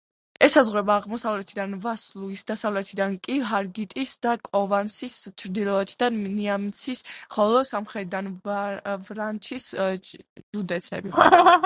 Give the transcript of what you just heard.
ესაზღვრება აღმოსავლეთიდან ვასლუის, დასავლეთიდან კი ჰარგიტის და კოვასნის, ჩრდილოეთიდან ნიამცის, ხოლო სამხრეთიდან ვრანჩის ჟუდეცები.